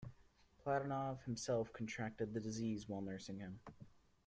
Platonov himself contracted the disease while nursing him.